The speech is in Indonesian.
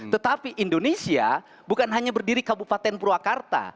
tetapi indonesia bukan hanya berdiri kabupaten purwakarta